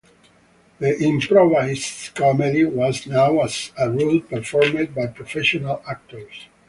The improvised comedy was now as a rule performed by professional actors.